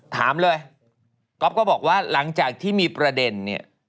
ถามเลยก๊อฟก็บอกว่าหลังจากที่มีประเด็นเนี่ย